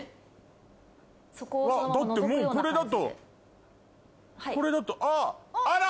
だってもうこれだとこれだとあっあら！